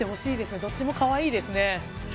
どっちもかわいいですね。